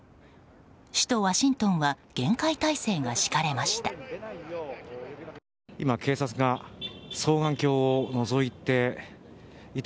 首都ワシントンは厳戒態勢が敷かれました。